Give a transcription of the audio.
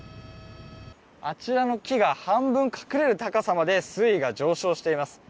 あちらの木が半分隠れる高さまで水位が上昇しています。